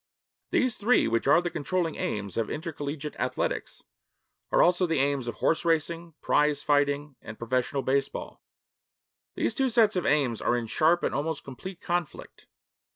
These three which are the controlling aims of intercollegiate athletics are also the aims of horse racing, prize fighting, and professional baseball. These two sets of aims are in sharp and almost complete conflict.